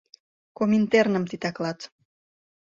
КОМИНТЕРНЫМ ТИТАКЛАТ